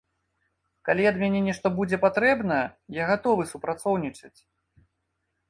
Калі ад мяне нешта будзе патрэбна, я гатовы супрацоўнічаць.